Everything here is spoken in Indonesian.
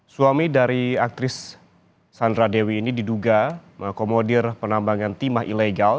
suami dari aktris sandra dewi ini diduga mengakomodir penambangan timah ilegal